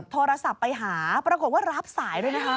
โทรศัพท์ไปหาปรากฏว่ารับสายด้วยนะคะ